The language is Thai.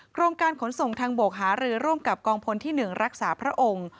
กรมการขนส่งทางบกหารือร่วมกับกองพลที่๑รักษาพระองค์